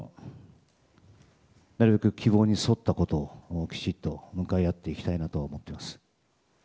なるべく希望に沿ったことをきちんと向かい合っていきたいなと思っています。